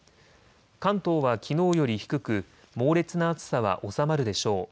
関東はきのうより低く猛烈な暑さは収まるでしょう。